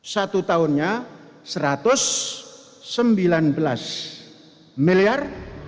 satu tahunnya rp satu ratus sembilan belas miliar